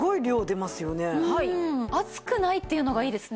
熱くないっていうのがいいですね。